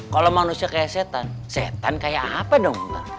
kalau manusia kayak setan setan kayak apa dong